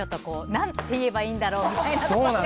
何て言えばいいんだろうみたいな。